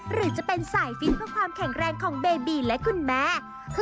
หรือจะเป็นสายฟินเพื่อความแข็งแรงของเบบีและคุณแม่